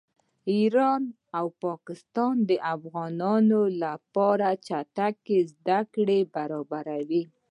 ایران او پاکستان د افغانانو لپاره چټکې زده کړې برابروي